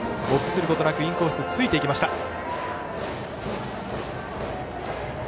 臆することなくインコースを突いていきました。